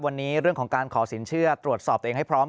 วันนี้เรื่องของการขอสินเชื่อตรวจสอบตัวเองให้พร้อม